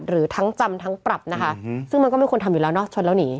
หรือทั้งจำทั้งปรับนะคะซึ่งมันก็ไม่ควรทำอยู่แล้วเนาะชนแล้วหนี